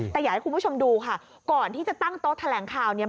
แต่อยากให้คุณผู้ชมดูค่ะก่อนที่จะตั้งโต๊ะแถลงข่าวเนี่ย